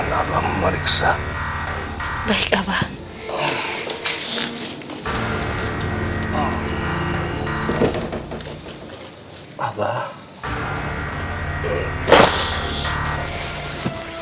kau bukan bandmet yang keadaan pertama kayak heldung itu